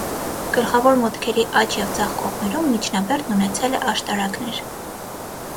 Գլխավոր մուտքերի աջ և ձախ կողմերում միջնաբերդն ուևեցել է աշտարակներ։